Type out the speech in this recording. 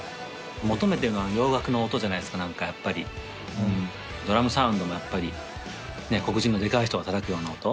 求めてるのは洋楽の音じゃないですか何かやっぱりうんドラムサウンドもやっぱり黒人のでかい人が叩くような音？